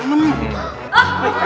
nih kalian lihat nih